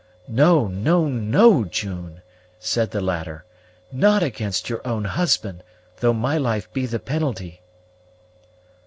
"No, no, no, June!" said the latter; "not against your own husband, though my life be the penalty."